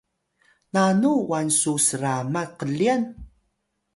nanu wan su sramat qlyan?